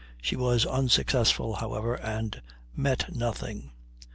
She was unsuccessful, however, and met nothing.